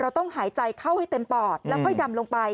ต้องหายใจเข้าให้เต็มปอดแล้วค่อยดำลงไป